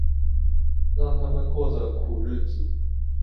让他们过着苦日子